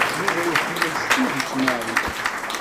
Yuba iḥemmel s tidet Mary.